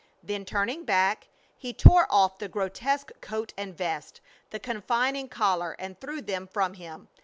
Then turning back, he tore off the grotesque coat and vest, the confining collar, and threw them from him.